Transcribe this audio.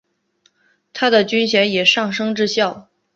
他的军衔也升至上校。